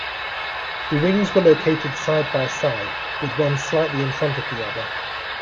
The wings were located side-by-side, with one slightly in front of the other.